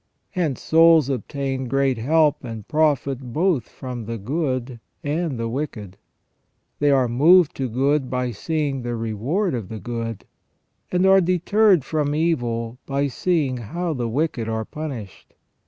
Hence souls obtain great help and profit both from the good and the wicked. They are moved to good by seeing the reward of the good, and are deterred from evil by seeing how the wicked are punished.